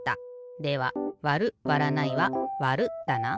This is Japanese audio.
ではわるわらないはわるだな。